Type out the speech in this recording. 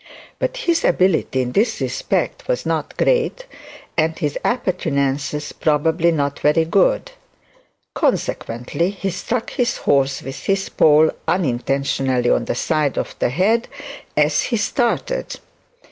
But his ability in this respect was not great, and his appurtenances probably not very good; consequently, he struck his horse with his pole unintentionally on the side of the head as he started.